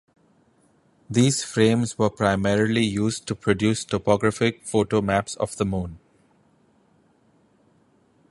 These frames were primarily used to produce topographic photo maps of the moon.